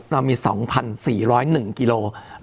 ภายในประเทศมี๒๔๐๑กิโลกรัม